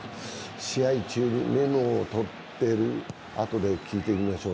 試合中、メモを取ってる、後で聞いてみましょう。